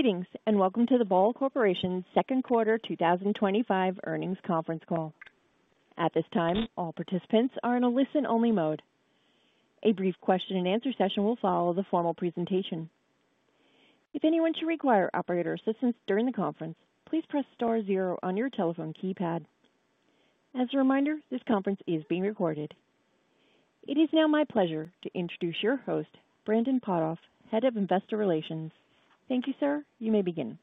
Greetings and welcome to the Ball Corporation second quarter 2025 earnings conference call. At this time, all participants are in a listen-only mode. A brief question and answer session will follow the formal presentation. If anyone should require operator assistance during the conference, please press star zero on your telephone keypad. As a reminder, this conference is being recorded. It is now my pleasure to introduce your host, Brandon Potthoff, Head of Investor Relations. Thank you, sir. You may begin.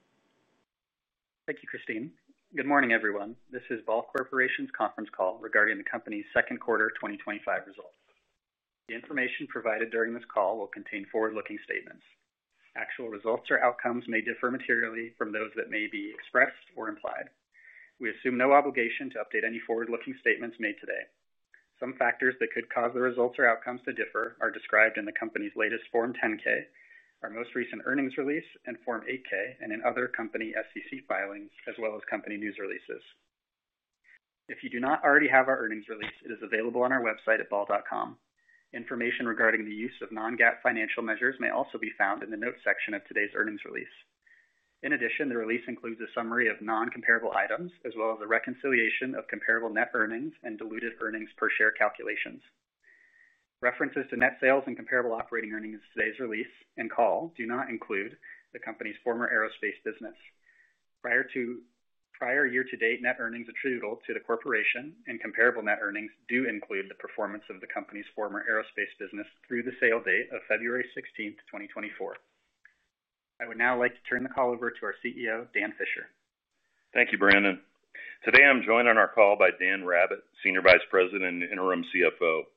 Thank you, Christine. Good morning everyone. This is Ball Corporation's conference call regarding the company's second quarter 2025 results. The information provided during this call will contain forward-looking statements. Actual results or outcomes may differ materially from those that may be expressed or implied. We assume no obligation to update any forward-looking statements made today. Some factors that could cause the results or outcomes to differ are described in the company's latest Form 10-K, our most recent earnings release, and Form 8-K, and in other company SEC filings as well as company news releases. If you do not already have our earnings release, it is available on our website at ball.com. Information regarding the use of non-GAAP financial measures may also be found in the Notes section of today's earnings release. In addition, the release includes a summary of non-comparable items as well as a reconciliation of comparable net earnings and diluted earnings per share calculations. References to net sales and comparable operating earnings in today's release and call do not include the company's former aerospace business. Prior to prior year-to-date. Net earnings attributable to the corporation and comparable net earnings do include the performance of the Company's former aerospace business through the sale date of February 16, 2024. I would now like to turn the call over to our CEO, Dan Fisher. Thank you, Brandon. Today I'm joined on our call by Dan Rabbitt, Senior Vice President and Interim CFO.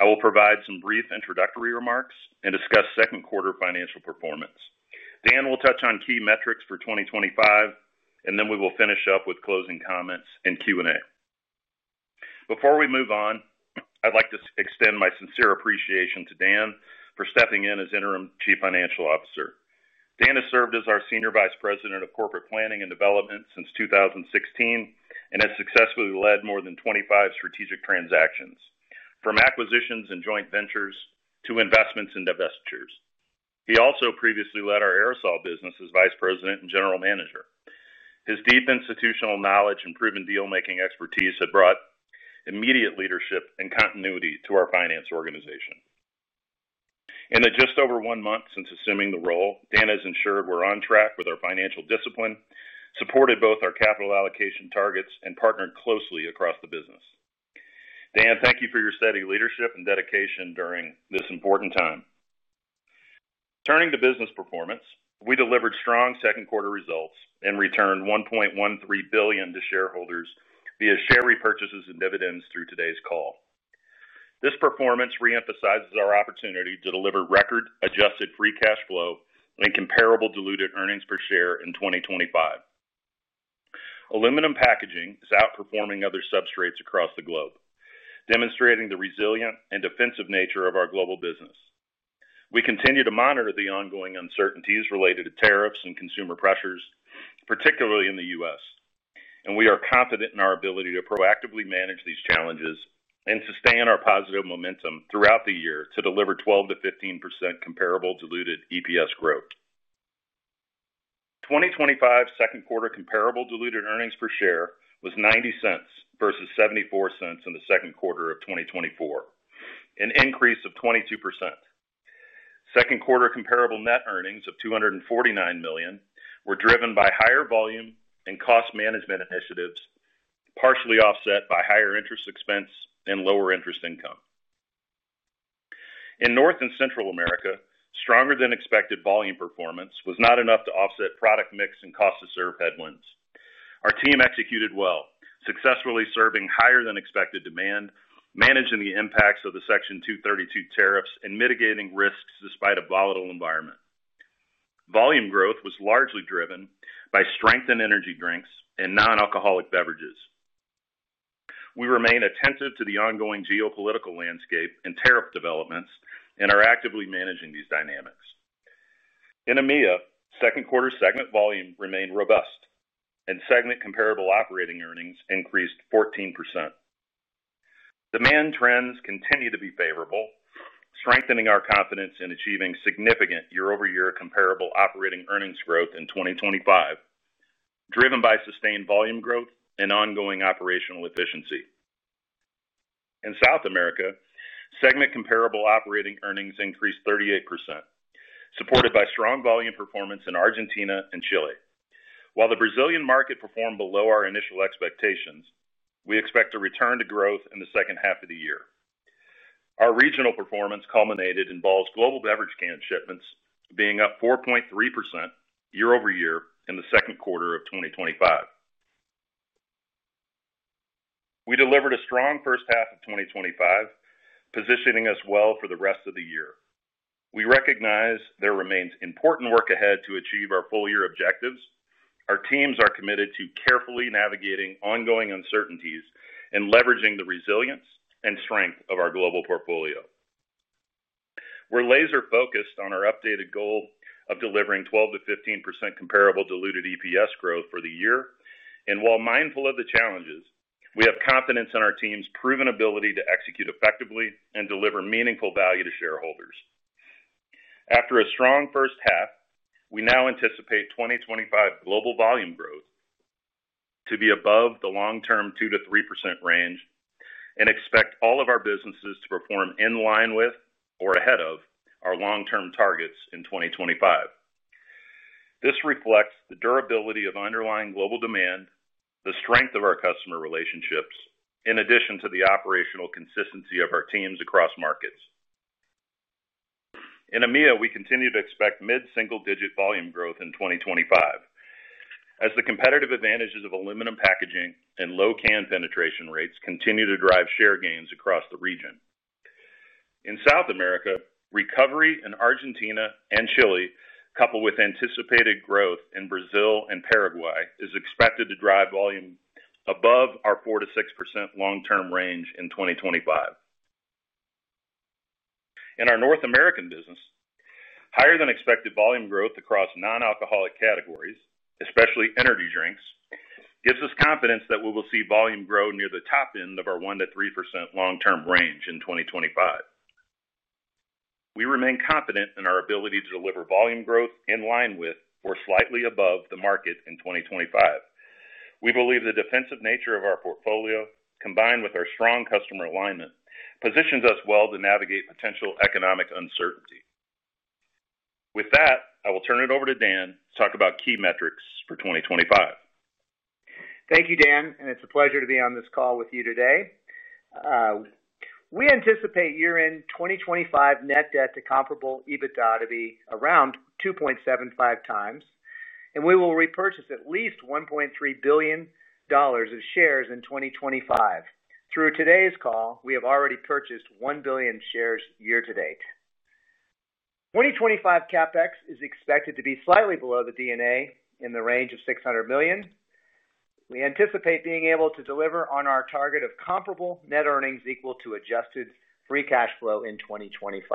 I will provide some brief introductory remarks and discuss second quarter financial performance. Dan will touch on key metrics for 2025 and then we will finish up with closing comments and Q&A. Before we move on, I'd like to extend my sincere appreciation to Dan for stepping in as Interim Chief Financial Officer. Dan has served as our Senior Vice President of Corporate Planning and Development since 2016 and has successfully led more than 25 strategic transactions, from acquisitions and joint ventures to investments and divestitures. He also previously led our aerosol business as Vice President and General Manager. His deep institutional knowledge and proven dealmaking expertise have brought immediate leadership and continuity to our finance organization. In the just over one month since assuming the role, Dan has ensured we're on track with our financial discipline, supported both our capital allocation targets and partnered closely across the business. Dan, thank you for your steady leadership and dedication during this important time. Turning to business performance, we delivered strong second quarter results and returned $1.13 billion to shareholders via share repurchases and dividends. Through today's call, this performance re-emphasizes our opportunity to deliver record adjusted free cash flow and comparable diluted earnings per share in 2025. Aluminum packaging is outperforming other substrates across the globe, demonstrating the resilient and defensive nature of our global business. We continue to monitor the ongoing uncertainties related to tariffs and consumer pressures, particularly in the U.S., and we are confident in our ability to proactively manage these challenges and sustain our positive momentum throughout the year to deliver 12%-15% comparable diluted EPS growth. 2025 second quarter comparable diluted earnings per share was $0.90 versus $0.74 in the second quarter of 2024, an increase of 22%. Second quarter comparable net earnings of $249 million were driven by higher volume and cost management initiatives, partially offset by higher interest expense and lower interest income. In North and Central America, stronger than expected volume performance was not enough to offset product mix and cost to serve headwinds. Our team executed well, successfully serving higher than expected demand, managing the impacts of the Section 232 tariffs, and mitigating risks. Despite a volatile environment, volume growth was largely driven by strength in energy drinks and non-alcoholic beverages. We remain attentive to the ongoing geopolitical landscape and tariff developments and are actively managing these dynamics. In EMEA, second quarter segment volume remained robust, and segment comparable operating earnings increased 14%. Demand trends continue to be favorable, strengthening our confidence in achieving significant year-over-year comparable operating earnings growth in 2025, driven by sustained volume growth and ongoing operational efficiency initiatives. In South America, segment comparable operating earnings increased 38%, supported by strong volume performance in Argentina and Chile. While the Brazilian market performed below our initial expectations, we expect a return to growth in the second half of the year. Our regional performance culminated in Ball's global beverage can shipments being up 4.3% year-over-year in the second quarter of 2025. We delivered a strong first half of 2025, positioning us well for the rest of the year. We recognize there remains important work ahead to achieve our full-year objectives. Our teams are committed to carefully navigating ongoing uncertainties and leveraging the resilience and strength of our global portfolio. We're laser focused on our updated goal of delivering 12%-15% comparable diluted EPS growth for the year, and while mindful of the challenges, we have confidence in our team's proven ability to execute effectively and deliver meaningful value to shareholders. After a strong first half, we now anticipate 2025 global volume growth to be above the long-term 2%-3% range and expect all of our businesses to perform in line with or ahead of our long-term targets in 2025. This reflects the durability of underlying global demand, the strength of our customer relationships, in addition to the operational consistency of our teams across markets. In EMEA, we continue to expect mid-single-digit volume growth in 2025 as the competitive advantages of aluminum packaging and low can penetration rates continue to drive share gains across the region. In South America, recovery in Argentina and Chile, coupled with anticipated growth in Brazil and Paraguay, is expected to drive volume above our 4%-6% long-term range in 2025. In our North American business, higher than expected volume growth across non-alcoholic categories, especially energy drinks, gives us confidence that we will see volume grow near the top end of our 1%-3% long-term range in 2025. We remain confident in our ability to deliver volume growth in line with or slightly above the market in 2025. We believe the defensive nature of our portfolio, combined with our strong customer alignment, positions us well to navigate potential economic uncertainty. With that, I will turn it over to Dan to talk about key metrics for 2025. Thank you, Dan, and it's a pleasure to be on this call with you today. We anticipate year-end 2025 net debt to comparable EBITDA to be around 2.75x, and we will repurchase at least $1.3 billion of shares in 2025. Through today's call, we have already purchased $1 billion of shares year to date. 2025 CapEx is expected to be slightly below the D&A in the range of $600 million. We anticipate being able to deliver on our target of comparable net earnings equal to adjusted free cash flow in 2025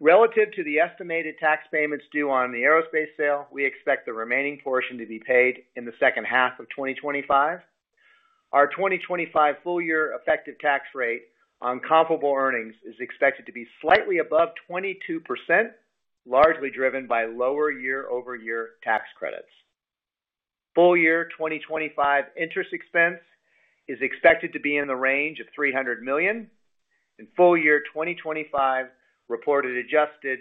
relative to the estimated tax payments due on the aerospace sale. We expect the remaining portion to be paid in the second half of 2025. Our 2025 full-year effective tax rate on comparable earnings is expected to be slightly above 22%, largely driven by lower year-over-year tax credits. Full-year 2025 interest expense is expected to be in the range of $300 million, and full-year 2025 reported adjusted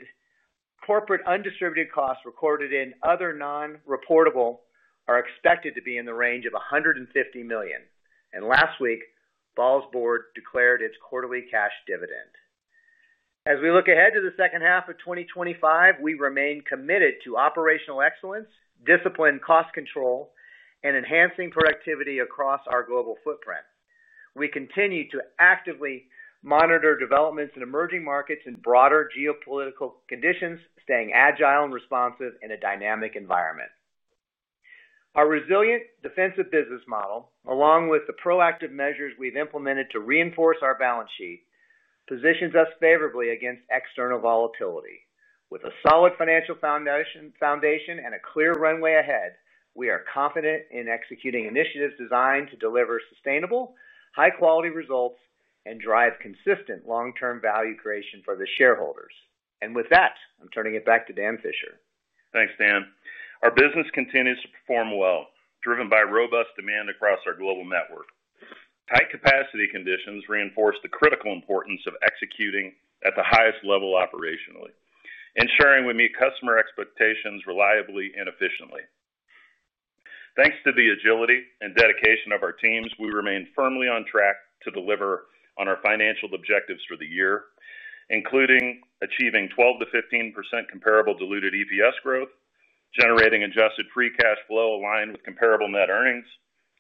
corporate undistributed costs recorded in other non-reportable are expected to be in the range of $150 million. Last week, Ball's board declared its quarterly cash dividend. As we look ahead to the second half of 2025, we remain committed to operational excellence, disciplined cost control, and enhancing productivity across our global footprint. We continue to actively monitor developments in emerging markets and broader geopolitical conditions, staying agile and responsive in a dynamic environment. Our resilient, defensive business model, along with the proactive measures we've implemented to reinforce our balance sheet, positions us favorably against external volatility. With a solid financial foundation and a clear runway ahead, we are confident in executing initiatives designed to deliver sustainable, high-quality results and drive consistent long-term value creation for the shareholders. With that, I'm turning it back to Dan Fisher. Thanks, Dan. Our business continues to perform well, driven by robust demand across our global network. Tight capacity conditions reinforce the critical importance of executing at the highest level, operationally ensuring we meet customer expectations reliably and efficiently. Thanks to the agility and dedication of our teams, we remain firmly on track to deliver on our financial objectives for the year, including achieving 12%-15% comparable diluted EPS growth, generating adjusted free cash flow aligned with comparable net earnings,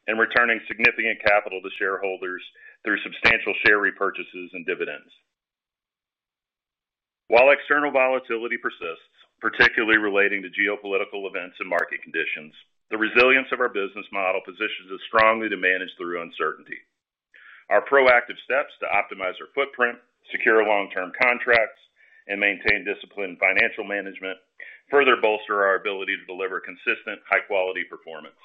and returning significant capital to shareholders through substantial share repurchases and dividends. While external volatility persists, particularly relating to geopolitical events and market conditions, the resilience of our business model positions us strongly to manage through uncertainty. Our proactive steps to optimize our footprint, secure long term contracts, and maintain disciplined financial management further bolster our ability to deliver consistent, high quality performance.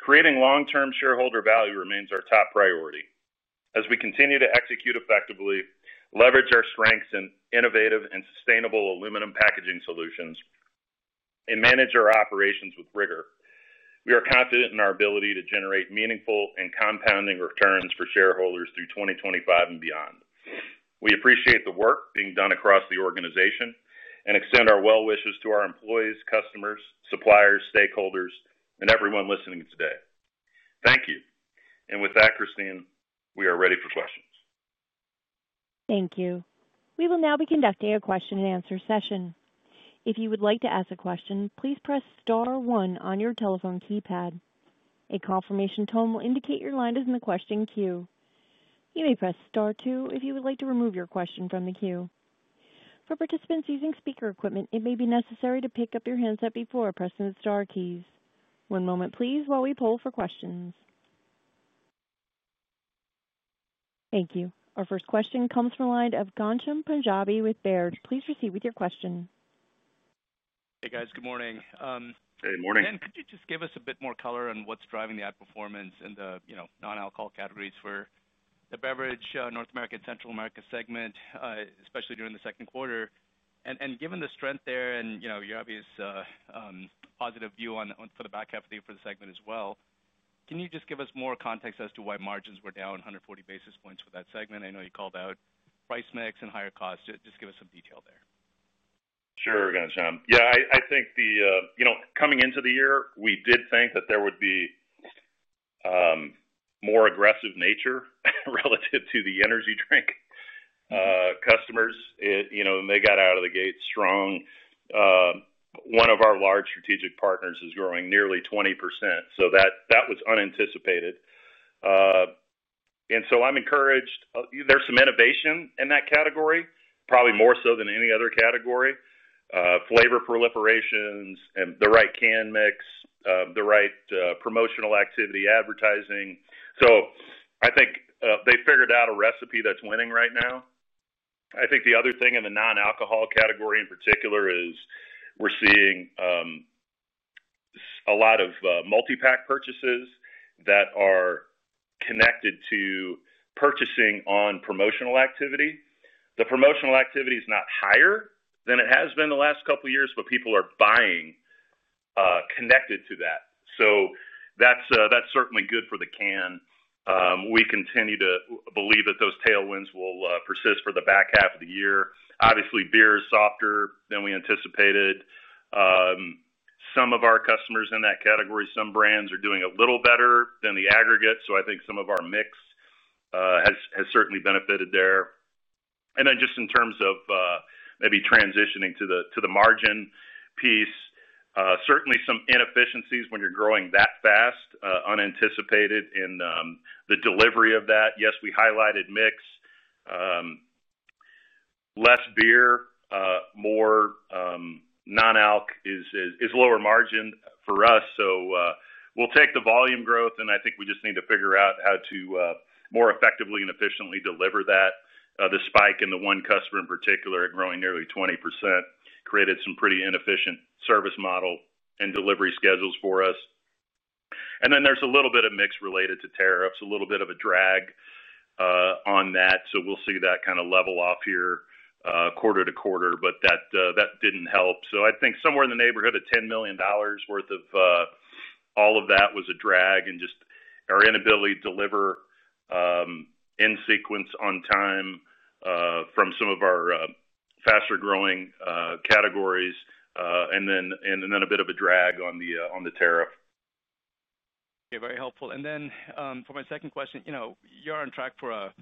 Creating long term shareholder value remains our top priority as we continue to execute effectively, leverage our strengths in innovative and sustainable aluminum packaging solutions, and manage our operations with rigor. We are confident in our ability to generate meaningful and compounding returns for shareholders through 2025 and beyond. We appreciate the work being done across the organization and extend our well wishes to our employees, customers, suppliers, stakeholders, and everyone listening today. Thank you. Christine, we are ready for questions. Thank you. We will now be conducting a question and answer session. If you would like to ask a question, please press star one on your telephone keypad. A confirmation tone will indicate your line is in the question queue. You may press star two if you would like to remove your question from the queue. For participants using speaker equipment, it may be necessary to pick up your handset before pressing the star keys. One moment please, while we poll for questions. Thank you. Our first question comes from the line of Ghansham Panjabi with Baird. Please proceed with your question. Hey guys, good morning. Good morning. Could you just give us a bit more color on what's driving the outperformance in the non-alcoholic beverages categories for the beverage North America and Central America segment, especially during the second quarter. Given the strength there and your obvious positive view for the back half of the year for the segment as well, can you just give us more context as to why margins were down 140 basis points for that segment? I know you called out price, mix, and higher cost, just give us some detail there. Sure, yeah. I think coming into the year we did think that there would be more aggressive nature relative to the energy drink customers. They got out of the gate strong. One of our large strategic partners is growing nearly 20%, so that was unanticipated and I'm encouraged there's some innovation in that category, probably more so than any other category. Flavor proliferations and the right can mix, the right promotional activity, advertising. I think they figured out a recipe that's winning right now. The other thing in the non-alcoholic beverages category in particular is we're seeing a lot of multi-pack purchases that are connected to purchasing on promotional activity. The promotional activity is not higher than it has been the last couple years, but people are buying connected to that. That's certainly good for the business. We continue to believe that those tailwinds will persist for the back half of the year. Obviously, beer is softer than we anticipated. Some of our customers in that category, some brands are doing a little better than the aggregate. I think some of our mix has certainly benefited there and just in terms of maybe transitioning to the margin piece. Certainly some inefficiencies when you're growing that fast, unanticipated in the delivery of that. Yes, we highlighted mix, less beer, more non-alcoholic is lower margin for us. We'll take the volume growth and I think we just need to figure out how to more effectively and efficiently deliver that. The spike in the one customer in particular growing nearly 20% created some pretty inefficient service model and delivery schedules for us. There's a little bit of mix related to tariffs, a little bit of a drag on that. We'll see that kind of level off here quarter to quarter, but that didn't help. I think somewhere in the neighborhood of $10 million worth of all of that was a drag and just our inability to deliver in sequence on time from some of our faster growing categories and then a bit of a drag on the tariff. Very helpful. For my second question, you're on track for a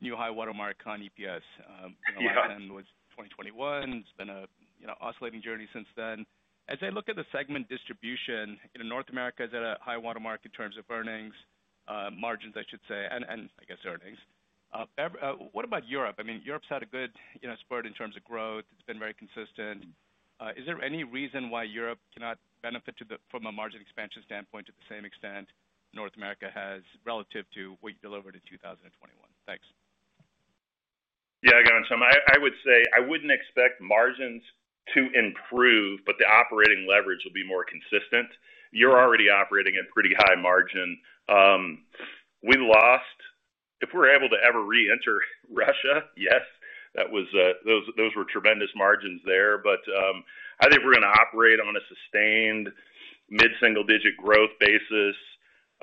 new high water mark on EPS. Last time was 2021. It's been an oscillating journey since then. As I look at the segment distribution. North America is at a high water mark in terms of earnings margins, I should say, and I guess earnings. What about Europe? I mean, Europe’s had a good spurt in terms of growth. It’s been very consistent. Is there any reason why Europe cannot benefit from a margin expansion standpoint to the same extent North America has relative to what you delivered in 2021? Thanks. Yeah, I would say I wouldn't expect margins to improve, but the operating leverage will be more consistent. You're already operating at pretty high margin. If we're able to ever re-enter Russia, yes, those were tremendous margins there. I think we're going to operate on a sustained mid single digit growth basis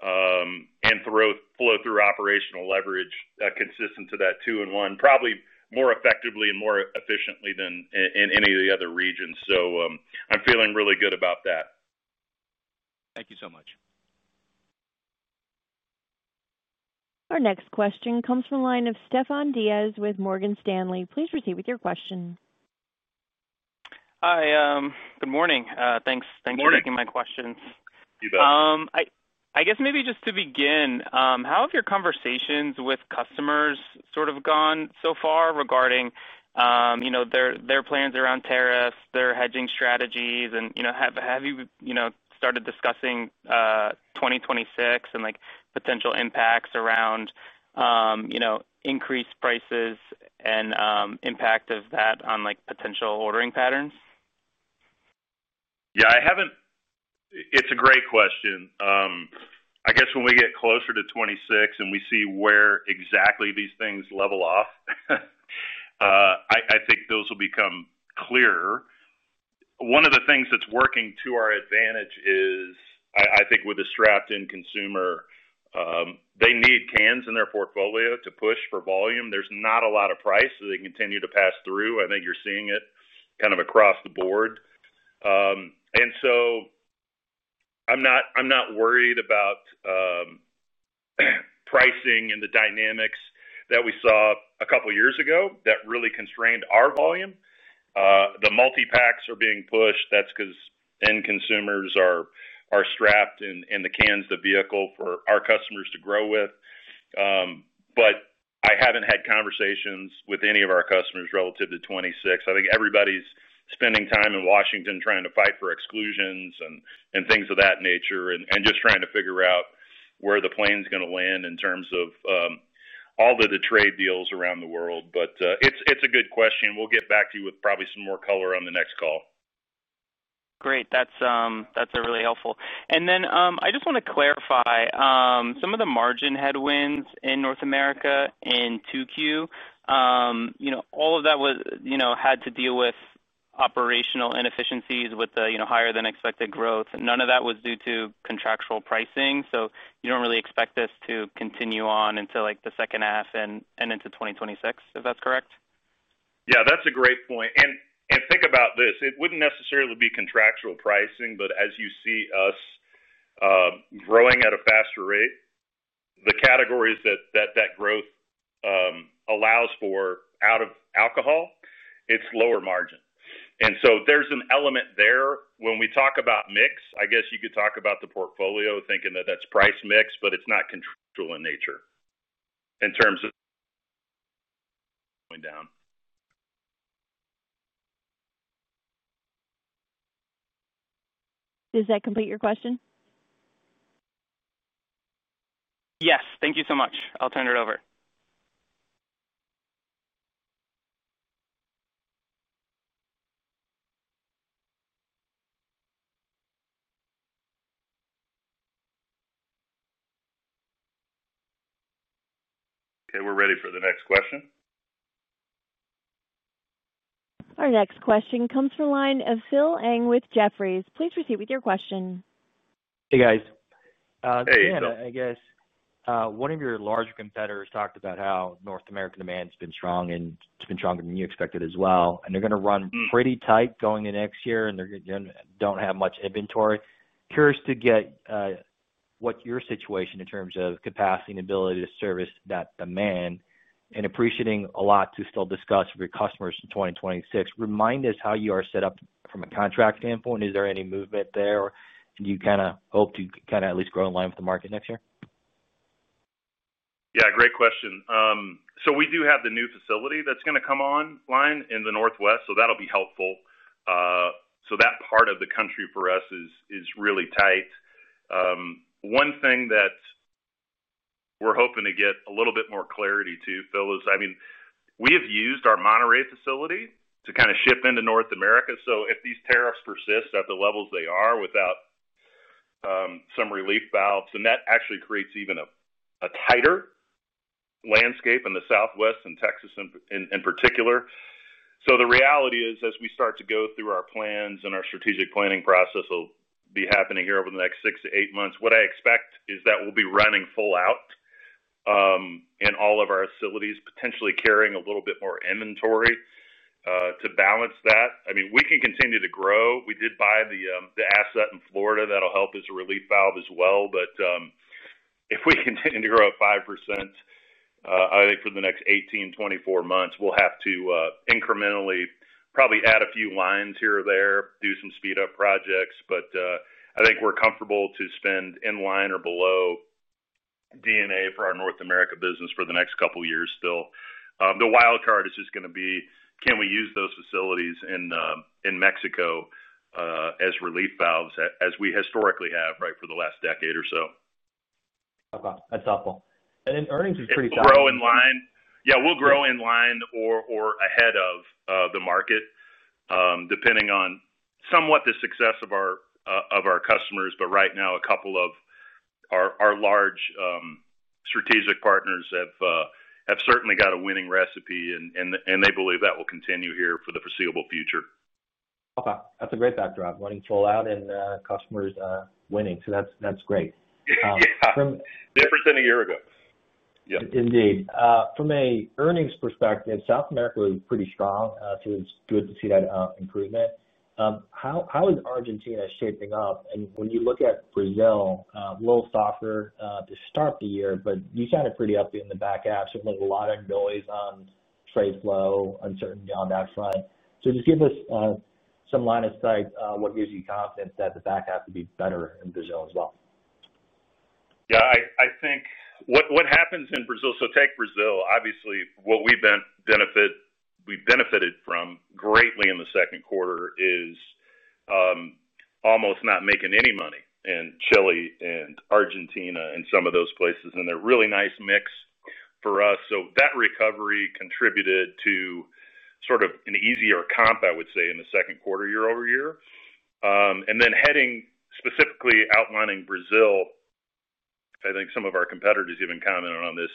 and flow through operational leverage consistent to that, two in one, probably more effectively and more efficiently than in any of the other regions. I'm feeling really good about that. Thank you so much. Our next question comes from the line of Stefan Diaz with Morgan Stanley. Please proceed with your question. Hi, good morning. Thanks for taking my questions. I guess maybe just to begin, how have your conversations with customers gone so far regarding their plans around tariffs, their hedging strategies, and have you started discussing 2026 and potential impacts around increased prices and the impact of that on potential ordering patterns? Yeah, I haven't. It's a great question. I guess when we get closer to 2026 and we see where exactly these things level off, I think those will become clearer. One of the things that's working to our advantage is I think with a strapped-in consumer they need cans in their portfolio to push for volume. There's not a lot of price, so they continue to pass through. I think you're seeing it kind of across the board, so I'm not worried about pricing and the dynamics that we saw a couple years ago that really constrained our volume. The multi packs are being pushed. That's because end consumers are strapped in, and the cans are the vehicle for our customers to grow with. I haven't had conversations with any of our customers relative to 2026. I think everybody's spending time in Washington trying to fight for exclusions and things of that nature and just trying to figure out where the plane's going to land in terms of all of the trade deals around the world. It's a good question. We'll get back to you with probably some more color on the next call. Great, that's really helpful. I just want to clarify some of the margin headwinds in North America in Q2. All of that had to deal with operational inefficiencies with higher than expected growth. None of that was due to contractual pricing. You don't really expect this to continue on until the second half and into 2026, if that's correct. That's a great point. Think about this. It wouldn't necessarily be contractual pricing, but as you see us growing at a faster rate, the categories that that growth allows for out of alcohol, it's lower margin. There's an element there when we talk about mix. I guess you could talk about the portfolio thinking that that's price mix, but it's not control in nature in terms of down. Does that complete your question? Yes, thank you so much. I'll turn it over. Okay, we're ready for the next question. Our next question comes from the line of Phil Ng with Jefferies. Please proceed with your question. Hey guys, I guess one of your larger competitors talked about how North American demand has been strong and it's been stronger than you expected as well. They're going to run pretty tight going to next year and they don't have much inventory. Curious to get what your situation is in terms of capacity and ability to service that demand. Appreciating a lot to still discuss with your customers in 2026, remind us how you are set up from a contract standpoint. Is there any movement there you kind of hope to at least grow in line with the market next year? Yeah, great question. We do have the new facility that's going to come online in the Northwest, so that'll be helpful. That part of the country for us is really tight. One thing that we're hoping to get a little bit more clarity too, Phil, is we have used our Monterey facility to kind of ship into North America. If these tariffs persist at the levels they are without some relief valves, that actually creates even a tighter landscape in the Southwest and Texas in particular. The reality is as we start to go through our plans and our strategic planning process will be happening here over the next six to eight months, what I expect is that we'll be running full out in all of our facilities, potentially carrying a little bit more inventory to balance that. We can continue to grow. We did buy the asset in Florida. That'll help as a relief valve as well. If we continue to grow up 5% I think for the next 18, 24 months we'll have to incrementally probably add a few lines here or there, do some speed up projects. I think we're comfortable to spend in line or below DNA for our North America business for the next couple years. Still the wild card is just going to be can we use those facilities in Mexico as relief valves as we historically have for the last decade or so. Okay, that's helpful. Earnings will grow in line or ahead of the market depending on somewhat the success of our customers. Right now, a couple of our large strategic partners have certainly got a winning recipe, and they believe that will continue here for the foreseeable future. Okay, that's a great backdrop. Running SOL out and customers winning, that's great. Different than a year ago. Yeah, indeed. From an earnings perspective, South America was pretty strong. It's good to see that improvement. How is Argentina shaping up? When you look at Brazil, a little softer to start the year, but you sounded pretty up in the back half. There's a lot of noise on freight flow, uncertainty on that side. Just give us some line of sight. What gives you confidence that the back has to be better in Brazil as well? I think what happens in Brazil, so take Brazil. Obviously, what we've benefited from greatly in the second quarter is almost not making any money in Chile and Argentina and some of those places, and they're really nice mix for us. That recovery contributed to sort of an easier comp, I would say, in the second quarter, year over year. Heading specifically outlining Brazil, I think some of our competitors even commented on this.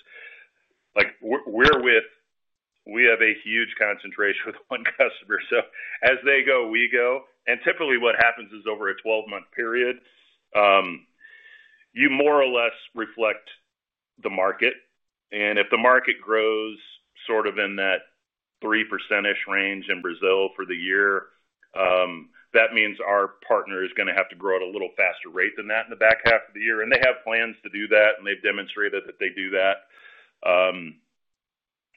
We have a huge concentration with one customer, so as they go, we go. Typically, what happens is over a 12-month period you more or less reflect the market, and if the market grows sort of in that 3% range in Brazil for the year, that means our partner is going to have to grow at a little faster rate than that in the back half of the year. They have plans to do that, and they've demonstrated that they do that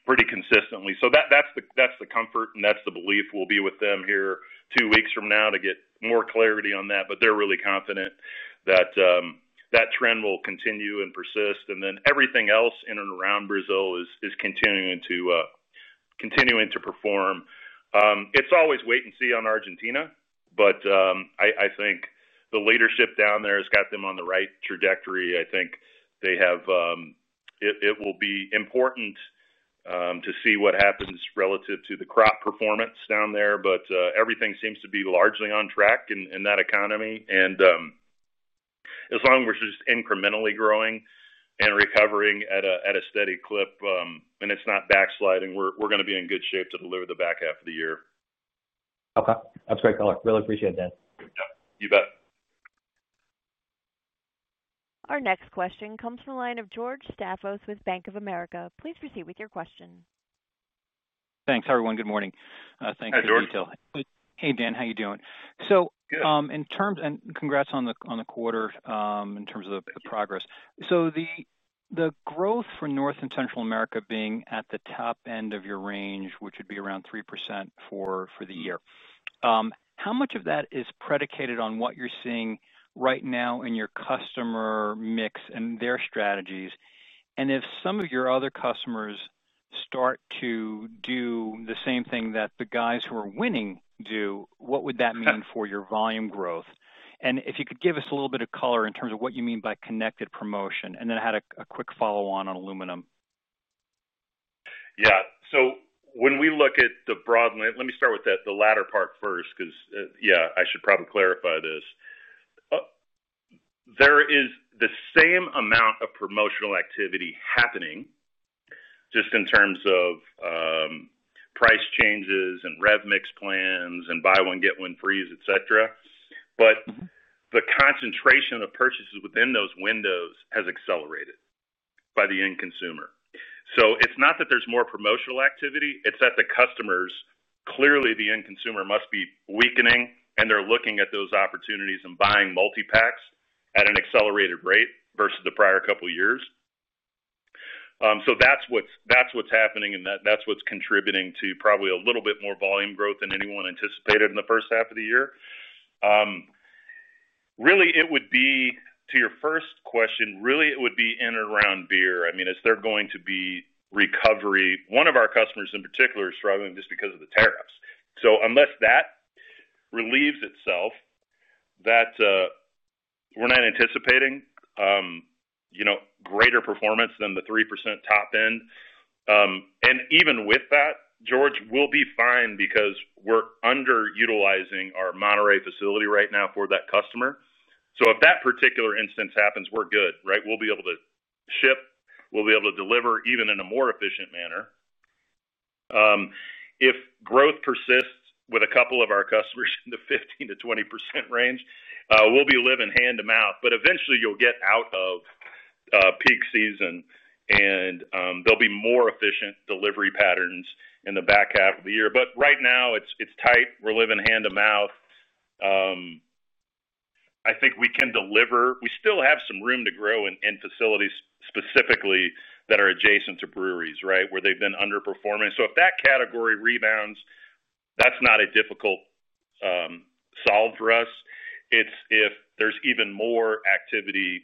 pretty consistently. That's the comfort and that's the belief. We'll be with them here two weeks from now to get more clarity on that, but they're really confident that that trend will continue and persist. Everything else in and around Brazil is continuing to perform. It's always wait and see on Argentina, but I think the leadership down there has got them on the right trajectory. I think they have. It will be important to see what happens relative to the crop performance down there, but everything seems to be largely on track in that economy. As long as we're just incrementally growing and recovering at a steady clip and it's not backsliding, we're going to be in good shape to deliver the back half of the year. Okay, that's great color. Really appreciate that. You bet. Our next question comes from the line of George Staphos with Bank of America. Please proceed with your question. Thanks everyone. Good morning. Thank you for detailing. Hey Dan, how are you doing? In terms, and congrats on the quarter, in terms of the progress. The growth for North and Central America being at the top end of your range, which would be around 3% for the year, how much of that is predicated on what you're seeing right now in your customer mix and their strategies? If some of your other customers start to do the same thing that the guys who are winning do, what would that mean for your volume growth? If you could give us a little bit of color in terms of what you mean by connected promotion. I had a quick follow-on on aluminum. Yeah. When we look at the broad, let me start with the latter part first because I should probably clarify this. There is the same amount of promotional activity happening just in terms of price changes and rev mix plans and buy one, get one frees, etc. The concentration of purchases within those windows has accelerated by the end consumer. It's not that there's more promotional activity, it's that the customers, clearly the end consumer, must be weakening and they're looking at those opportunities and buying multi packs at an accelerated rate versus the prior couple years. That's what's happening and that's what's contributing to probably a little bit more volume growth than anyone anticipated in the first half of the year. Really, to your first question, it would be in and around beer. I mean, is there going to be recovery? One of our customers in particular is struggling just because of the tariffs. Unless that relieves itself, not anticipating greater performance than the 3% top end. Even with that, George, we'll be fine because we're underutilizing our Monterey facility right now for that customer. If that particular instance happens, we're good. We'll be able to ship, we'll be able to deliver even in a more efficient manner. If growth persists with a couple of our customers in the 15%-20% range, we'll be living hand to mouth. Eventually, you'll get out of peak season and there will be more efficient delivery patterns in the back half of the year. Right now, it's tight. We're living hand to mouth. I think we can deliver. We still have some room to grow in facilities specifically that are adjacent to breweries where they've been underperforming. If that category rebounds, that's not a difficult solve for us. If there's even more activity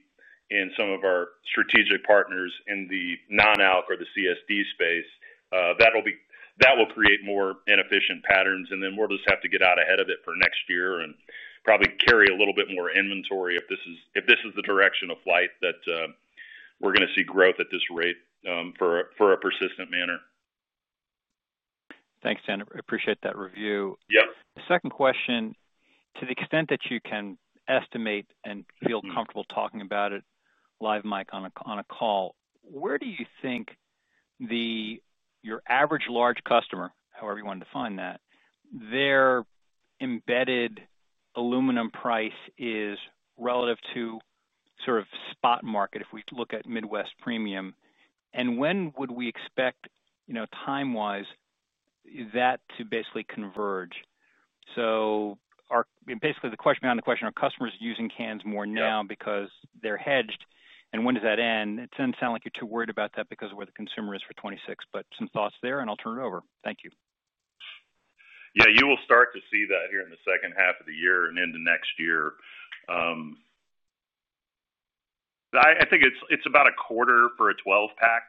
in some of our strategic partners in the non-alc or the CSD space, that will create more inefficient patterns and then we'll just have to get out ahead of it for next year and probably carry a little bit more inventory if this is the direction of flight that we're going to see growth at this rate for a persistent manner. Thanks Dan. Appreciate that review. Yep. Second question, to the extent that you can estimate and feel comfortable talking about it live, Mike, on a call, where do you think your average large customer, however you want to define that, their embedded aluminum price is relative to sort of spot market? If we look at Midwest premium, and when would we expect, time wise, that to basically converge? The question behind the question is, are customers using cans more now because they're hedged, and when does that end? It doesn't sound like you're too worried about that because of where the consumer is for 2026. Some thoughts there, and I'll turn it over. Thank you. You will start to see that here in the second half of the year and into next year. I think it's about $0.25 for a 12 pack.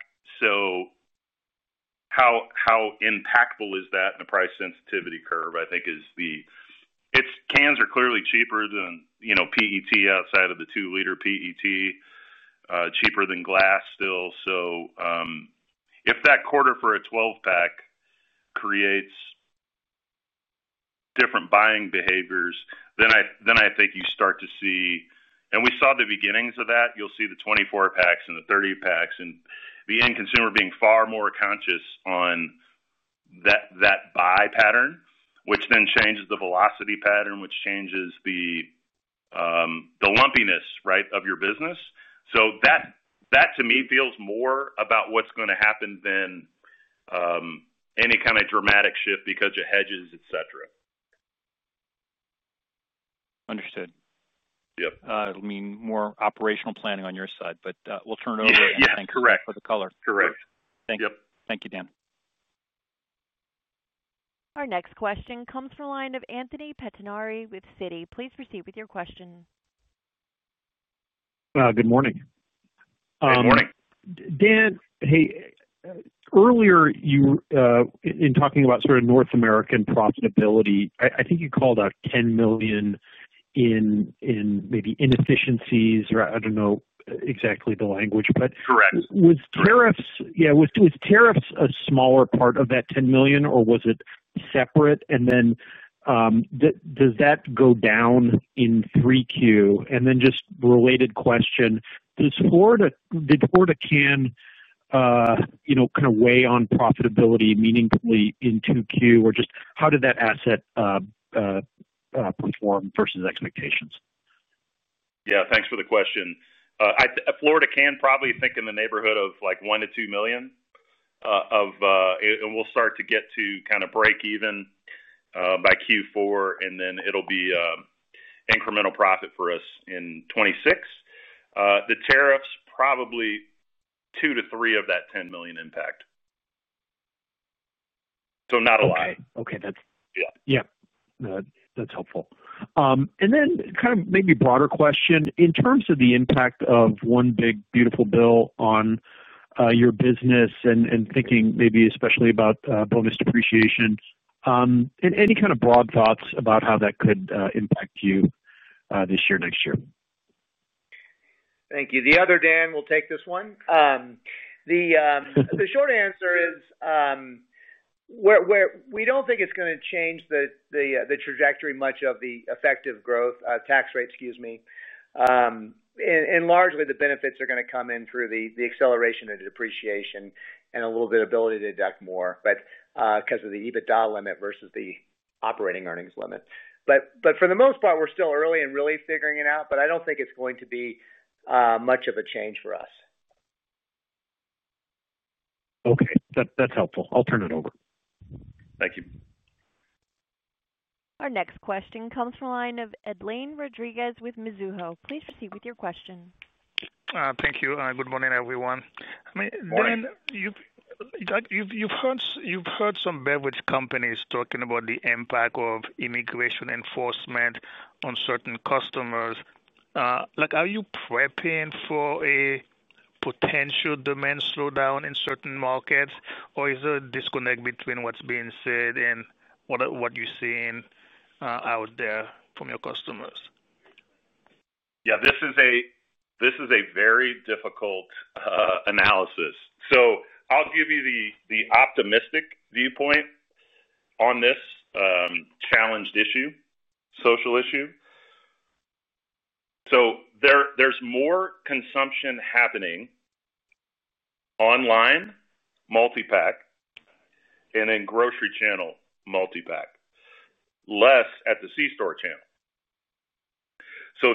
How impactful is that in the price sensitivity curve? I think cans are clearly cheaper than, you know, PET outside of the 2 L PET. Cheaper than glass still. If that $0.25 for a 12 pack creates different buying behaviors, then I think you start to see, and we saw the beginnings of that. You'll see the 24 packs and the 30 packs and the end consumer being far more conscious on that buy pattern, which then changes the velocity pattern, which changes the lumpiness of your business. That to me feels more about what's going to happen than any kind of dramatic shift because of hedges, et cetera. Understood. Yep. It'll mean more operational planning on your side, but we'll turn it over. Thank you for the color. Correct. Thank you. Thank you, Dan. Our next question comes from the line of Anthony Pettinari with Citi. Please proceed with your question. Good morning. Good morning. Dan. Earlier, you in talking about sort of North American profitability, I think you called out $10 million in maybe inefficiencies or I don't know exactly the language, but was tariffs a smaller part of that $10 million or was it separate? Does that go down in 3Q? Just related questions, did Florida, can you know, kind of weigh on profitability meaningfully in 2Q or just how did that asset perform versus expectations? Yeah, thanks for the question. Florida can probably think in the neighborhood of like $1 million-$2 million, and we'll start to get to kind of break even by Q4, and then it'll be incremental profit for us in 2026. The tariffs, probably $2 million-$3 million of that $10 million impact, so not a lot. Okay, that's. Yeah, that's helpful. Maybe a broader question in terms of the impact of one big beautiful bill on your business and thinking especially about bonus depreciation, any broad thoughts about how that could impact you this year or next year. Thank you. Dan will take this one. The short answer is we don't think it's going to change the trajectory much of the effective growth tax rate. Excuse me. Largely the benefits are going to come in through the acceleration of depreciation and a little bit of ability to deduct more because of the EBITDA limit versus the operating earnings limit. For the most part we're still early and really figuring it out. I don't think it's going to be much of a change for us. Okay, that's helpful. I'll turn it over. Thank you. Our next question comes from the line of Edlain Rodriguez with Mizuho. Please proceed with your question. Thank you. Good morning, everyone. You've heard some beverage companies talking about the impact of immigration enforcement on certain customers. Are you prepping for a potential demand slowdown in certain markets, or is there a disconnect between what's being said and what you're seeing out there from your customers? This is a very difficult analysis. I'll give you the optimistic viewpoint on this challenged issue, social issue. There's more consumption happening online multipack and in grocery channel multipack, less at the C Store channel.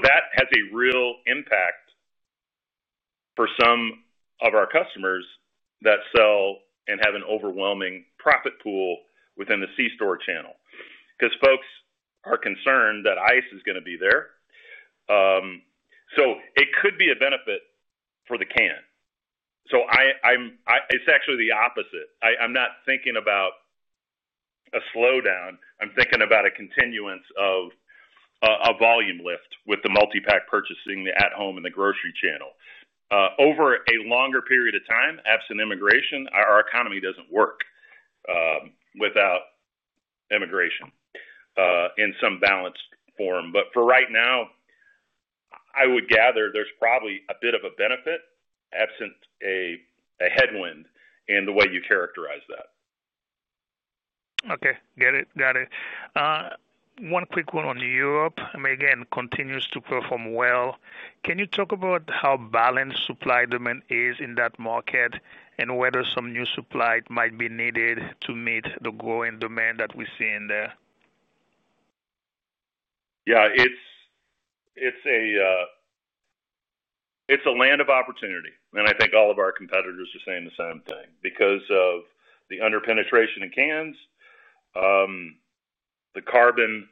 That has a real impact for some of our customers that sell and have an overwhelming profit pool within the C Store channel because folks are concerned that ICE is going to be there. It could be a benefit for the can. It's actually the opposite. I'm not thinking about a slowdown. I'm thinking about a continuance of a volume lift with the multipack purchasing at home and the grocery channel over a longer period of time. Absent immigration, our economy doesn't work without immigration in some balanced form. For right now, I would gather there's probably a bit of a benefit absent a headwind in the way you characterize that. Okay, got it. One quick one on Europe, I mean again, continues to perform well. Can you talk about how balanced supply demand is in that market, and whether some new supply might be needed to meet the growing demand that we see in there? Yeah, it's a land of opportunity and I think all of our competitors are saying the same thing because of the underpenetration in cans, the carbon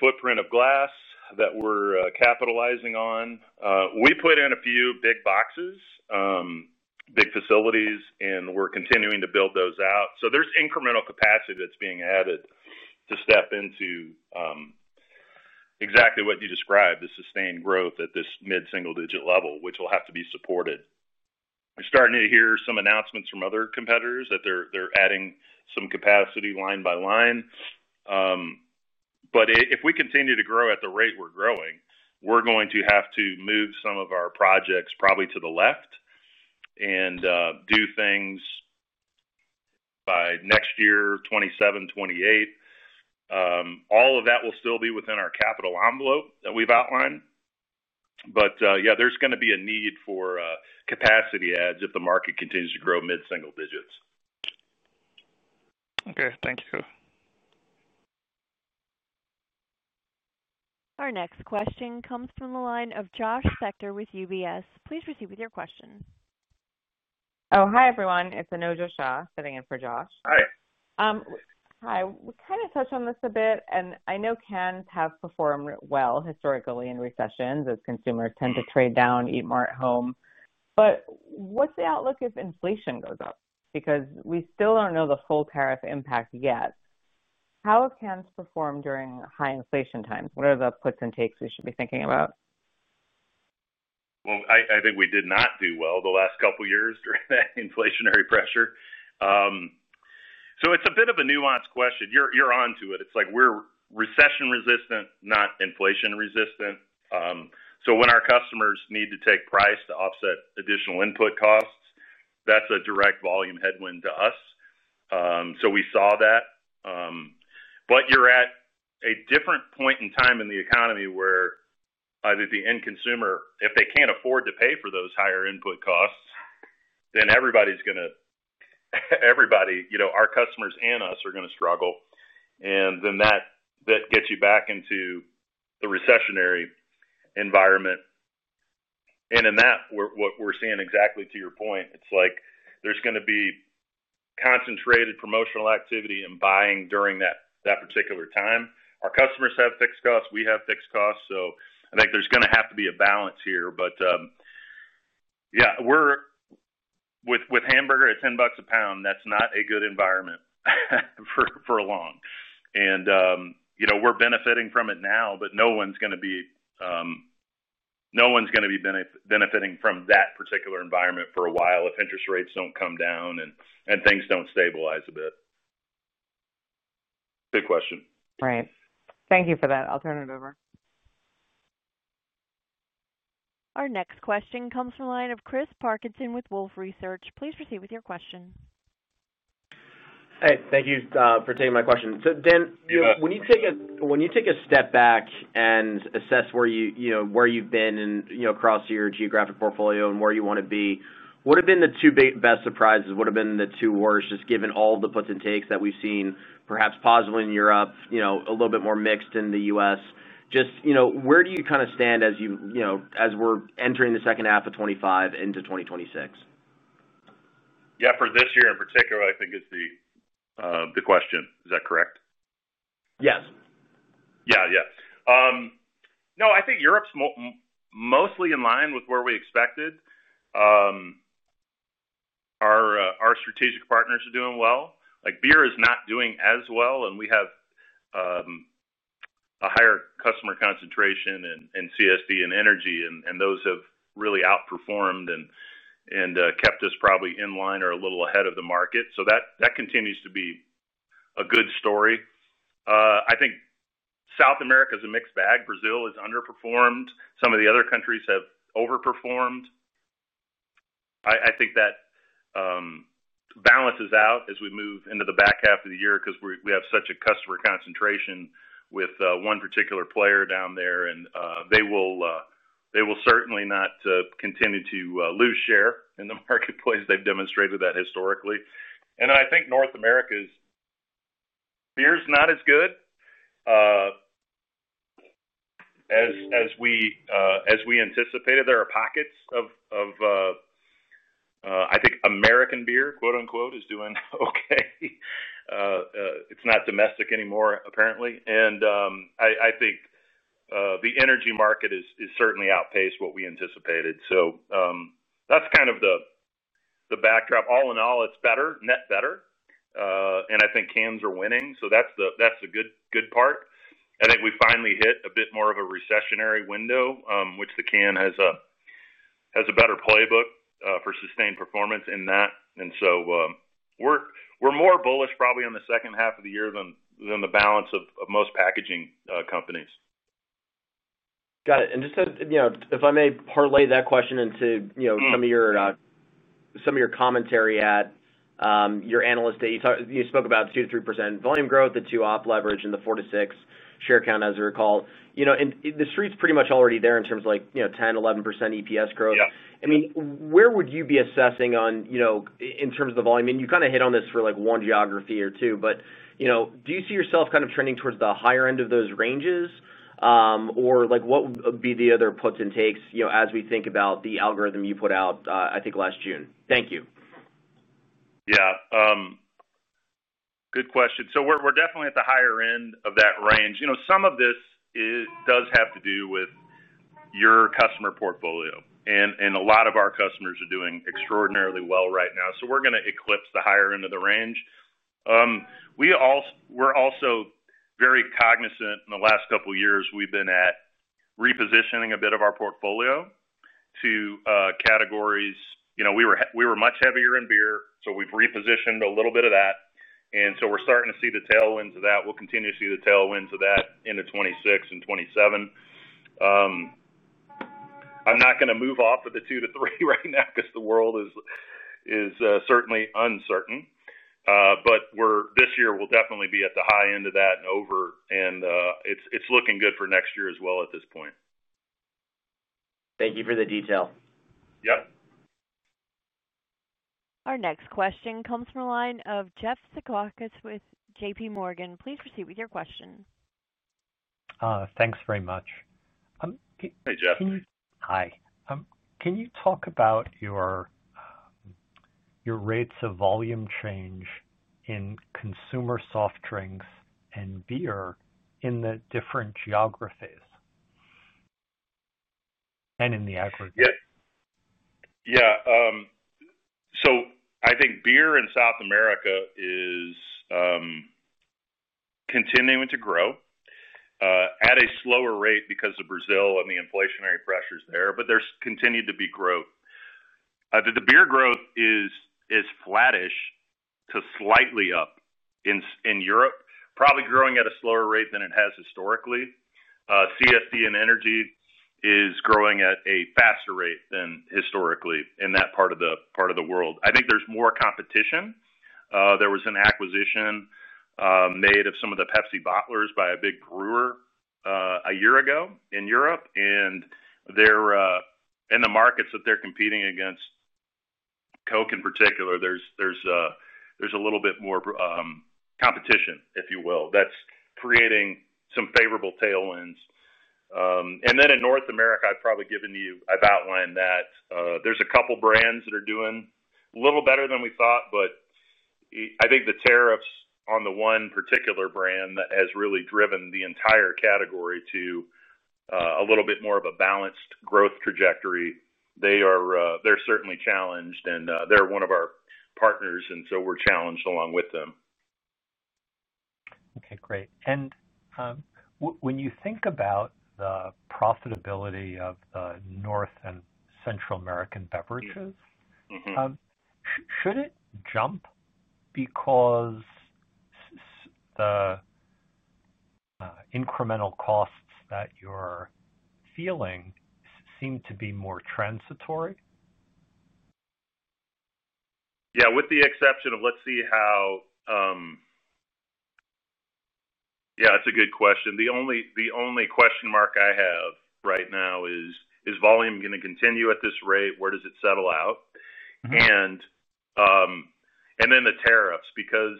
footprint of glass that we're capitalizing on. We put in a few big boxes, big facilities, and we're continuing to build those out. There's incremental capacity that's being added to step into exactly what you described, the sustained growth at this mid single digit level, which will have to be supported. We're starting to hear some announcements from other competitors that they're adding some capacity line by line. If we continue to grow at the rate we're growing, we're going to have to move some of our projects probably to the left and do things by next year, 2027, 2028. All of that will still be within our capital envelope that we've outlined. There's going to be a need for capacity adds if the market continues to grow mid single digits. Okay, thanks. Our next question comes from the line of Josh Spector with UBS. Please proceed with your question. Hi everyone, it's Anojja Shah sitting in for Josh. Hi. Hi. We kind of touched on this. I know cans have performed well historically in recessions as consumers tend to trade down, eat more at home. What’s the outlook if inflation goes up? Because we still don't know the full tariff impact yet. How have cans performed during high inflation time? What are the puts and takes we should be thinking about? I think we did not do well the last couple years during that inflationary pressure. It's a bit of a nuanced question. You're onto it. It's like we're recession resistant, not inflation resistant. When our customers need to take price to offset additional input costs, that's a direct volume headwind to us. We saw that. You're at a different point in time in the economy where either the end consumer, if they can't afford to pay for those higher input costs, then everybody, you know, our customers and us are going to struggle. That gets you back into the recessionary environment. In that, what we're seeing, exactly to your point, is there's going to be concentrated promotional activity and buying during that particular time. Our customers have fixed costs, we have fixed costs. I think there's going to have to be a balance here. We're with hamburger at $10 a pound, that's not a good environment for a long time. You know, we're benefiting from it now, but no one's going to be benefiting from that particular environment for a while if interest rates don't come down and things don't stabilize a bit. Good question. Right. Thank you for that. I'll turn it over. Our next question comes from the line of Chris Parkinson with Wolfe Research. Please proceed with your question. Thank you for taking my question. Dan, when you take it, when you take a step back and assess where you have been and across your geographic portfolio and where you want to be. What have been the two best surprises, what have been the two worst, just given all the puts and takes that we have seen, perhaps positively in Europe, a little bit more mixed in the U.S. Just where do you kind of stand as you are entering the second half of 2025 into 2026. Yeah. For this year in particular, I think the question is that correct? Yes. Yeah. Yeah. No, I think Europe is mostly in line with where we expected. Our strategic partners are doing well. Like beer is not doing as well, and we have a higher customer concentration in CSD and energy, and those have really outperformed and kept us probably in line or a little ahead of the market. That continues to be a good story. I think South America is a mixed bag. Brazil has underperformed. Some of the other countries have overperformed. I think that balances out as we move into the back half of the year because we have such a customer concentration with one particular player down there and they will certainly not continue to lose share in the marketplace. They've demonstrated that historically. I think North America's beer is not as good as we anticipated. There are pockets of, I think American beer, quote unquote, is doing okay. It's not domestic anymore apparently. I think the energy market has certainly outpaced what we anticipated. That's kind of the backdrop. All in all, it's better, net better, and I think cans are winning. That's a good part. I think we finally hit a bit more of a recessionary window, which the can has a better playbook for sustained performance in that. We're more bullish probably on the second half of the year than the balance of most packaging companies. Got it. Just said, you know, if I may parlay that question into, you know, some of your commentary at your analyst day, you spoke about 2%-3% volume growth, the 2% op leverage and the 4%-6% share count. As I recall, the street's pretty much already there in terms of 10%, 11% EPS growth. Where would you be assessing in terms of the volume? You kind of hit on this for one geography or two, but do you see yourself kind of trending towards the higher end of those ranges or what would be the other puts and takes as we think about the algorithm you put out, I think last June. Thank you. Good question. We're definitely at the higher end of that range. Some of this does have to do with your customer portfolio, and a lot of our customers are doing extraordinarily well right now. We're going to eclipse the higher end of the range. We're also very cognizant. In the last couple years, we've been repositioning a bit of our portfolio to categories. We were much heavier in beer, so we've repositioned a little bit of that, and we're starting to see the tailwinds of that. We'll continue to see the tailwinds of that in 2026 and 2027. I'm not going to move off of the 2%-3% right now because the world is certainly uncertain. This year, we'll definitely be at the high end of that and over, and it's looking good for next year as well at this point. Thank you for the detail. Yep. Our next question comes from the line of Jeffrey Zekauskas with JPMorgan. Please proceed with your question. Thanks very much. Hey, Jeff. Hi. Can you talk about your rates of volume change in consumer soft drinks and beer in the different geographies and in the aggregate? Yeah. I think beer in South America is continuing to grow at a slower rate because of Brazil and the inflationary pressures there, but there's continued to be growth. The beer growth is flattish to slightly up in Europe, probably growing at a slower rate than it has historically. CSD and energy is growing at a faster rate than historically in that part of the world. I think there's more competition. There was an acquisition made of some of the Pepsi bottlers by a big brewer a year ago in Europe, and they're in the markets that they're competing against. Coke in particular, there's a little bit more competition, if you will, that's creating some favorable tailwinds. In North America, I've probably given you, I've outlined that there's a couple brands that are doing a little better than we thought. I think the tariffs on the one particular brand that has really driven the entire category to a little bit more of a balanced growth trajectory. They are certainly challenged and they're one of our partners, and so we're challenged along with them. Okay, great. When you think about the profitability of the North and Central American beverages, should it jump because the incremental costs that you're feeling seem to be more transitory. Yeah, that's a good question. The only question mark I have right now is, is volume going to continue at this rate? Where does it settle out? Then the tariffs, because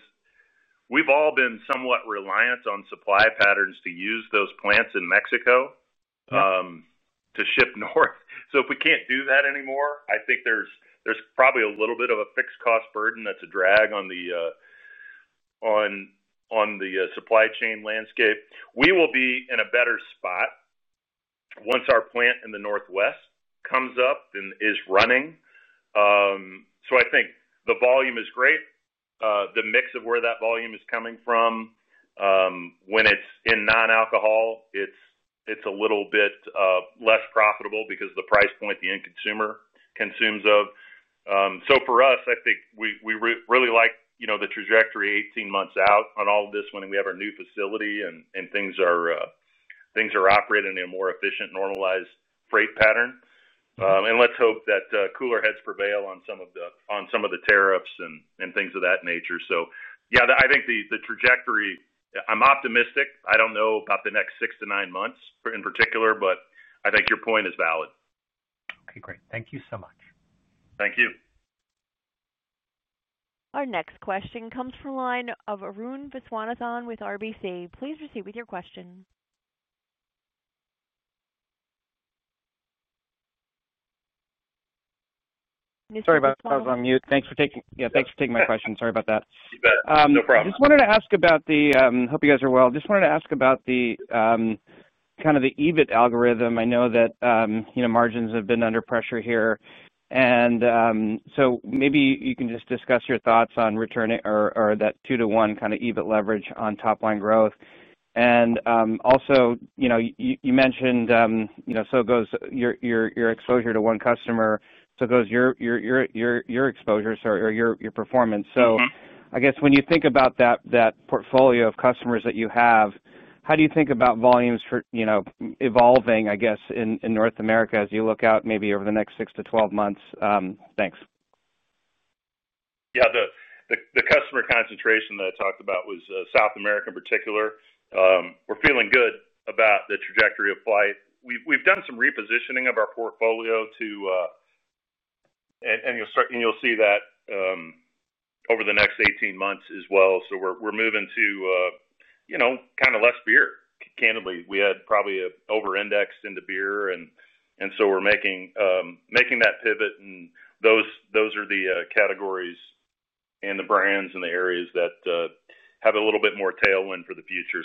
we've all been somewhat reliant on supply patterns to use those plants in Mexico to ship north. If we can't do that anymore, I think there's probably a little bit of a fixed cost burden that's a drag on the supply chain landscape. We will be in a better spot once our plant in the Northwest comes up and is running. I think the volume is great. The mix of where that volume is coming from, when it's in non-alcohol, it's a little bit less profitable because of the price point the end consumer consumes of. For us, I think we really like the trajectory 18 months out on all this. When we have our new facility and things are operating in a more efficient, normalized freight pattern, let's hope that cooler heads prevail on some of the tariffs and things of that nature. I think the trajectory, I'm optimistic. I don't know about the next six to nine months in particular, but I think your point is valid. Okay, great. Thank you so much. Thank you. Our next question comes from the line of Arun Viswanathan with RBC. Please proceed with your question. Sorry about the mute. Thanks for taking. Yeah, thanks for taking my question. Sorry about that. No problem. Just wanted to ask about the, hope you guys are well, just wanted to ask about the kind of the EBIT algorithm. I know that margins have been under pressure here, so maybe you can just discuss your thoughts on returning to that 2:1 kind of EBIT leverage on top line growth. Also, you mentioned your exposure to one customer, so goes your exposure or your performance. When you think about that portfolio of customers that you have, how do you think about volumes for, you know, evolving in North America as you look out maybe over the next six to 12 months. Thanks. Yeah, the customer concentration that I talked about was South America in particular. We're feeling good about the trajectory of flight. We've done some repositioning of our portfolio too, and you'll see that over the next 18 months as well. We're moving to, you know, kind of less beer. Candidly, we had probably over-indexed into beer and we're making that pivot, and those are the categories and the brands and the areas that have a little bit more tailwind for the future.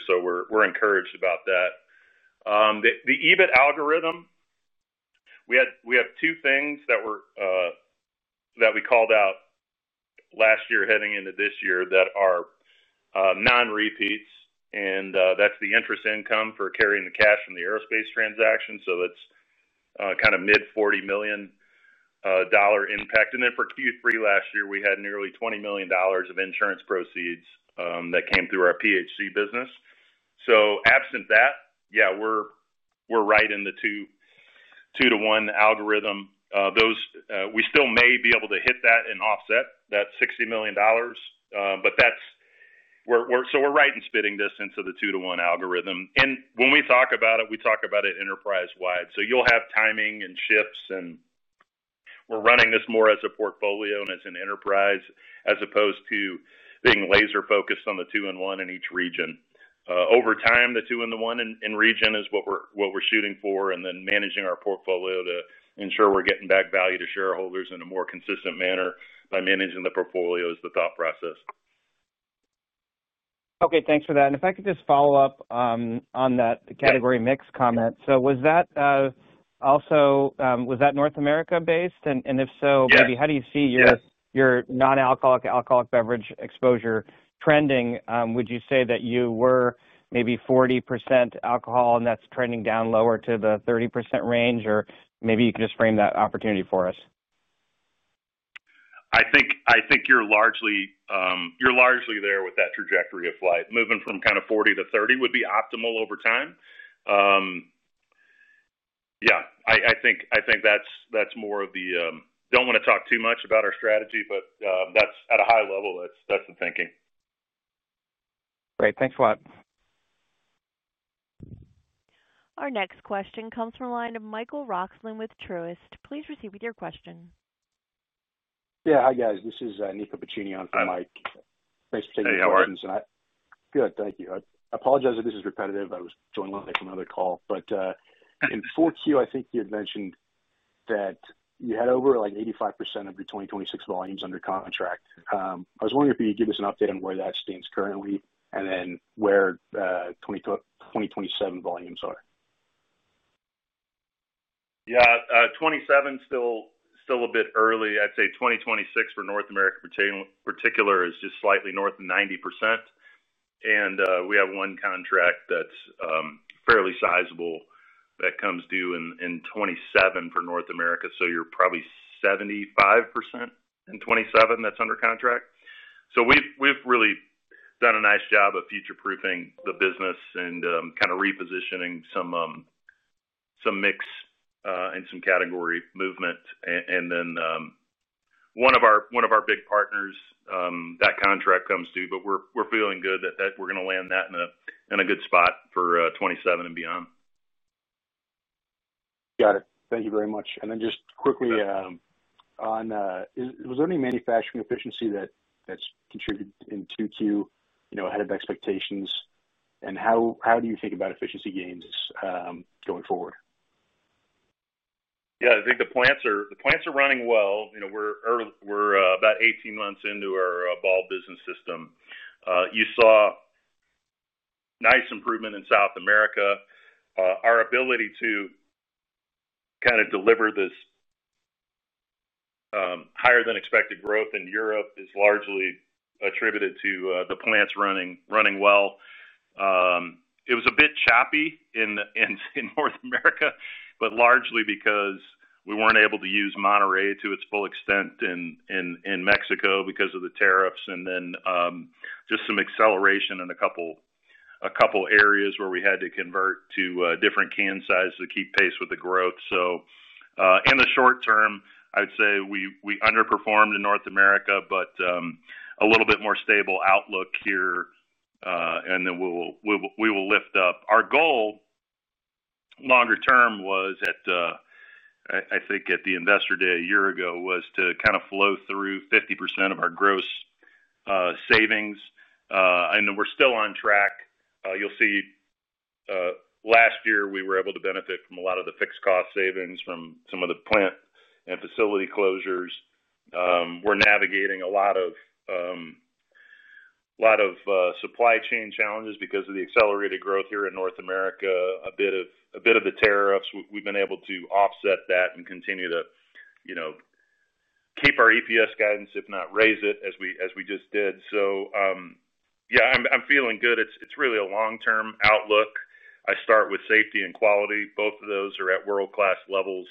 We're encouraged about that. The EBIT algorithm, we have two things that we called out last year heading into this year that are non-repeats, and that's the interest income for carrying the cash from the aerospace transaction. It's kind of mid $40 million impact. For Q3 last year, we had nearly $20 million of insurance proceeds that came through our PHC business. Absent that, yeah, we're right in the 2:1 algorithm. We still may be able to hit that and offset that $60 million. We're right in spitting this into the 2:1 algorithm. When we talk about it, we talk about it enterprise-wide. You'll have timing and shifts, and we're running this more as a portfolio and as an enterprise, as opposed to being laser focused on the two in one in each region. Over time, the two in the one in region is what we're shooting for, and then managing our portfolio to ensure we're getting back value to shareholders in a more consistent manner by managing the portfolio is the thought process. Okay, thanks for that. If I could just follow up. On that category mix comment, was that also North America based, and if so, maybe how do you see your non-alcoholic beverage exposure trending? Would you say that you were maybe 40% alcohol and that's trending down lower to the 30% range, or maybe you can you just frame that opportunity for us? I think you're largely there with that trajectory of flight. Moving from kind of 40% to 30% would be optimal over time. I think that's more of the, I do not want to talk too much about our strategy, but that's at a high level. That's the thinking. Great, thanks a lot. Our next question comes from the line of Michael Roxland with Truist. Please proceed with your question. Yeah, hi guys, this is Nico Piccini on Mike. Thanks for taking questions. I. Good, thank you. I apologize if this is repetitive. I was joined live on another call. In 4Q I think you had mentioned that you had over like 85% of your 2026 volumes under contract, I was wondering if you could give us an update on where that stands currently, and then where 2027 volumes are. Yeah, 2027, still a bit early. I'd say 2026 for North America in particular is just slightly north of 90%. We have one contract that's fairly sizable that comes due in 2027 for North America, so you're probably 75% in 2027 that's under contract. We've really done a nice job of future proofing the business and kind of repositioning some mix and some category movement, and then one of our big partners, that contract comes to. We're feeling good that we're going to land that in a good spot for 2027 and beyond. Got it. Thank you very much. Just quickly, was there any manufacturing efficiency that's contributed in 2Q, you know, ahead of expectations? How do you think about efficiency gains going forward? Yeah, I think the plants are running well. You know, we're early, we're about 18 months into our Ball Business System. You saw nice improvement in South America. Our ability to kind of deliver this higher than expected growth in Europe is largely attributed to the plants running well. It was a bit choppy in North America, but largely because we weren't able to use Monterey to its full extent in Mexico because of the tariffs and then just some acceleration in a couple areas where we had to convert to different can sizes to keep pace with the growth. In the short term I'd say we underperformed in North America, but a little bit more stable outlook here and then we will lift up. Our goal longer term was at, I think at the investor day a year ago, was to kind of flow through 50% of our gross savings. I know we're still on track. You'll see last year we were able to benefit from a lot of the fixed cost savings from some of the plant and facility closures. We're navigating a lot of supply chain challenges because of the accelerated growth here in North America. A bit of the tariffs, we've been able to offset that and continue to, you know, keep our EPS guidance, if not raise it as we just did. Yeah, I'm feeling good. It's really a long term outlook. I start with safety and quality. Both of those are at world class levels.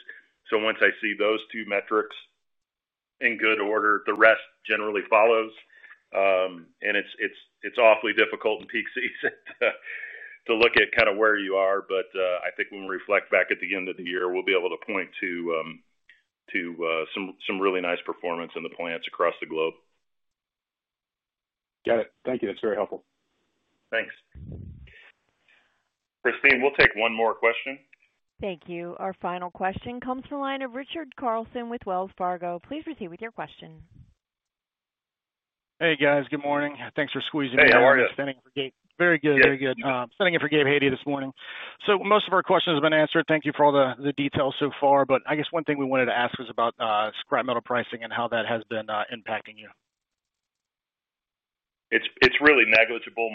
Once I see those two metrics in good order, the rest generally follows and it's awfully difficult in peak season to look at kind of where you are. I think when we reflect back at the end of the year, we'll be able to point to some really nice performance in the plants across the globe. Got it. Thank you, that's very helpful. Thanks, Christine. We'll take one more question. Thank you. Our final question comes from the line of Richard Carlson with Wells Fargo. Please proceed with your question. Hey guys, good morning. Thanks for squeezing in. Very good, very good. Thank you for [Gabe Haiti] this morning. Most of our questions have been answered. Thank you for all the details so far. I guess one thing we wanted to ask was about scrap metal pricing. How that has been impacting you. It's really negligible.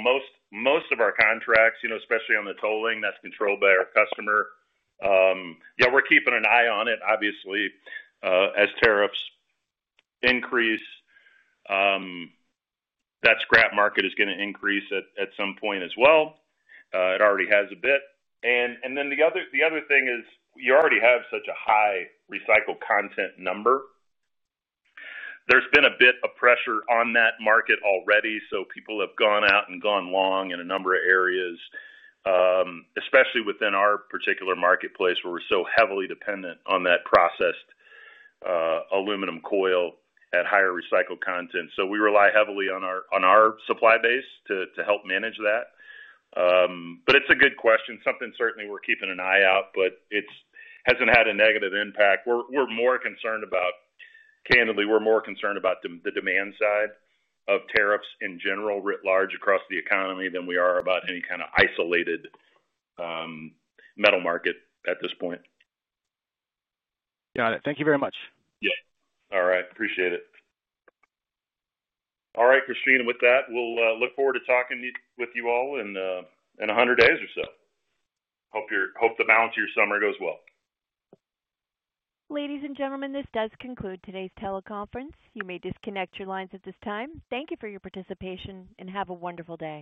Most of our contracts, especially on the tolling, that's controlled by our customer. We're keeping an eye on it. Obviously, as tariffs increase, that scrap market is going to increase at some point as well. It already has a bit. The other thing is you already have such a high recycled content number. There's been a bit of pressure on that market already. People have gone out and gone long in a number of areas, especially within our particular marketplace where we're so heavily dependent on that processed aluminum coil at higher recycled content. We rely heavily on our supply base to help manage that. It's a good question, something certainly we're keeping an eye out for, but it hasn't had a negative impact. We're more concerned about, candidly, we're more concerned about the demand side of tariffs in general writ large across the economy than we are about any kind of isolated metal market at this point. Got it. Thank you very much. All right. Appreciate it. All right, Christine, with that, we'll look forward to talking with you all in 100 days or so. Hope the balance of your summer goes well. Ladies and gentlemen, this does conclude today's teleconference. You may disconnect your lines at this time. Thank you for your participation and have a wonderful day.